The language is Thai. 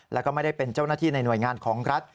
แล้วก็ไม่ได้เป็นเจ้าหน้าที่ในหน่วยงานของรัฐ